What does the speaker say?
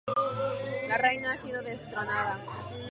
La Reina ha sido destronada.